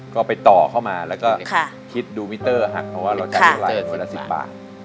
ก็ไปต่อเข้ามาแล้วก็คิดดูมิเตอร์ฮะเพราะว่าเราจัดรายละ๑๐บาท